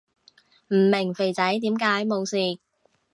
唔明肥仔點解冇事